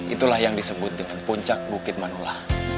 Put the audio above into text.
itulah yang disebut dengan puncak bukit manula